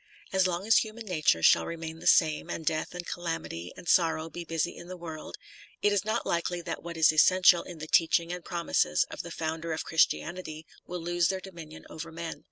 As long as human nature shall remain the same, and death and calamity and sorrow be busy in the world, it is not likely that what is essential in the teaching and promises of the Founder of Christianity will lose their dominion over men.